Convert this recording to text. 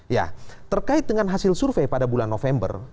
ya terkait dengan hasil survei pada bulan november